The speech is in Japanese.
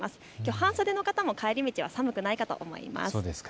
半袖の方も帰り道は寒くないと思います。